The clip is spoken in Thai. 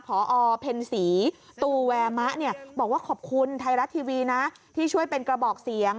พอเพ็ญศรีตูแวมะเนี่ยบอกว่าขอบคุณไทยรัฐทีวีนะที่ช่วยเป็นกระบอกเสียง